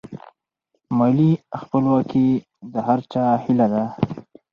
مالي خپلواکي د هر چا هیله ده.